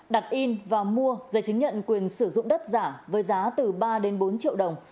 đặt in và mua giấy chứng nhận quyền sử dụng đất giả với giá từ ba đến bốn triệu đồng